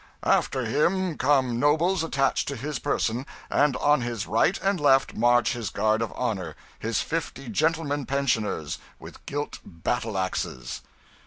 After him come nobles attached to his person, and on his right and left march his guard of honour, his fifty Gentlemen Pensioners, with gilt battle axes."